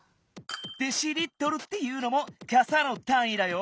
「デシリットル」っていうのもかさのたんいだよ。